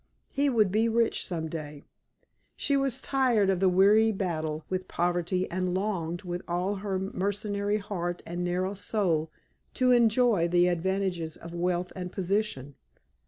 He would be rich some day. She was tired of the weary battle with poverty, and longed, with all her mercenary heart and narrow soul, to enjoy the advantages of wealth and position.